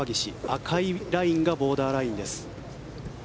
赤いラインがボーダーラインです。